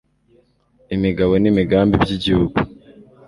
imigabo n'imigambi by'igihugu